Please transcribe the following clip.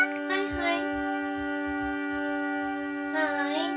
はい。